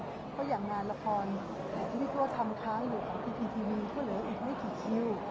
เพราะอย่างงานละครที่พี่ตัวทำครั้งหรืออาทิตย์ทีวีหรืออีกไม่กี่ชีว